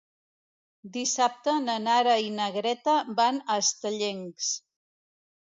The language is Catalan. Dissabte na Nara i na Greta van a Estellencs.